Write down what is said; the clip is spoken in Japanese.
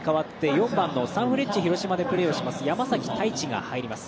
４番のサンフレッチェ広島でプレーをします山崎大地が入ります。